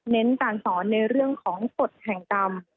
เน้นการสอนในเรื่องของกฎแห่งกรรม